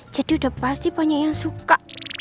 jadi udah pasti banyak yang suka